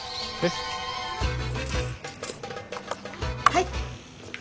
はい。